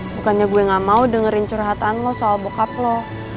bukannya gue gak mau dengerin curhatan lo soal bock up lo